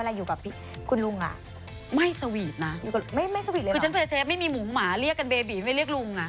ไม่สวีทนะคือฉันไปเซฟไม่มีหมูหมาเรียกกันเบบีไม่เรียกลุงอ่ะ